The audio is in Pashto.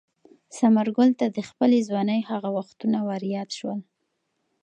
ثمرګل ته د خپلې ځوانۍ هغه وختونه وریاد شول.